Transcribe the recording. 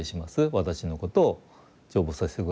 私のことを成仏させて下さい。